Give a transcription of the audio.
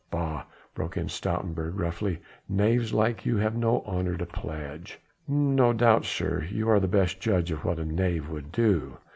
"Bah!" broke in Stoutenburg roughly, "knaves like you have no honour to pledge." "No doubt, sir, you are the best judge of what a knave would do."